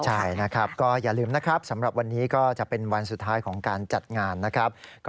ใช่นะครับก็อย่าลืมนะครับสำหรับวันนี้ก็จะเป็นวันสุดท้ายของการจัดงานนะครับ